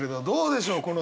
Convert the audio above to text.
どうでしょう？